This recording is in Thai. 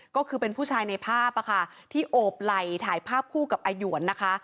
ก็คือเป็นผู้ชายในภาพที่โอบไหล่ถ่ายภาพคู่กับอาหยวนนะคะ